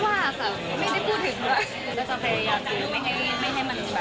ว่าพวกคุณแม่จะไม่สบายใจ